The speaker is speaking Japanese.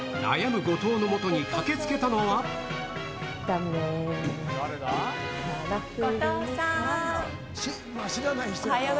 悩む後藤のもとに駆けつけたのは。